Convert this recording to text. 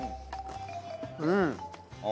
うん！